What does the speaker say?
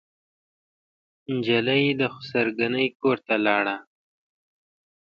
نجلۍ د خسر ګنې کورته لاړه.